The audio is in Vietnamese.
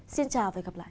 xin chào và hẹn gặp lại